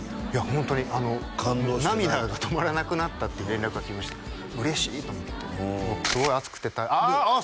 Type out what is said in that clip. ホントに「涙が止まらなくなった」っていう連絡が来ました嬉しいと思ってすごい暑くてあっ